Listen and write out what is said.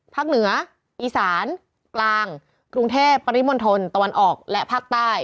เหนืออีสานกลางกรุงเทพปริมณฑลตะวันออกและภาคใต้